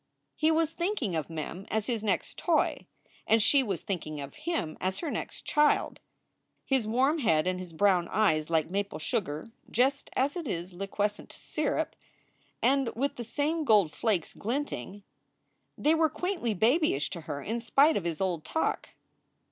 He was thinking of Mem as his next toy and she was thinking of him as her next child. His warm head and his brown eyes like maple sugar just as it is liquescent to syrup, and with the same gold flakes glinting they were quaintly babyish to her in spite of his old talk.